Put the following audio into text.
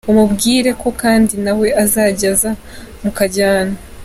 umubwire ko kandi nawe azajya aza mukajyana.